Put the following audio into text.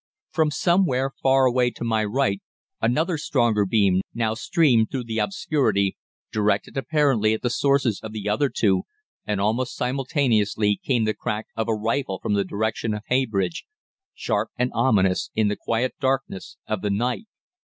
From somewhere far away to my right another stronger beam now streamed through the obscurity, directed apparently at the sources of the other two, and almost simultaneously came the crack of a rifle from the direction of Heybridge, sharp and ominous in the quiet darkness of the night.